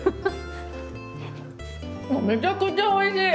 めちゃくちゃおいしい！